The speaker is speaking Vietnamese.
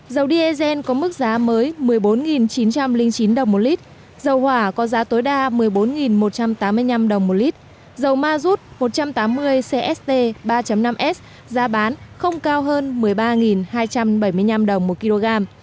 dầu diesel có mức giá mới một mươi bốn chín trăm linh chín đồng một lít dầu hỏa có giá tối đa một mươi bốn một trăm tám mươi năm đồng một lít dầu ma rút một trăm tám mươi cst ba năm s giá bán không cao hơn một mươi ba hai trăm bảy mươi năm đồng một kg